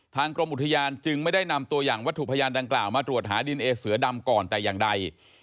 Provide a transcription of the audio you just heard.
กรมอุทยานจึงไม่ได้นำตัวอย่างวัตถุพยานดังกล่าวมาตรวจหาดินเอเสือดำก่อนแต่อย่างใด